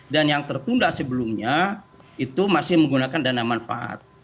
dan yang tertunda sebelumnya itu masih menggunakan dana manfaat